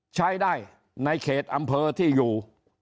ใช้ได้ในเขตอำเภอที่อยู่